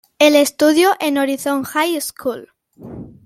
El estudio en Horizon High School.